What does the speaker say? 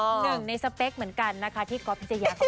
หนึ่งในสเปคเหมือนกันนะคะที่ก๊อฟพิชยาเขา